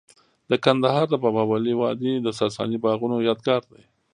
د کندهار د بابا ولی وادي د ساساني باغونو یادګار دی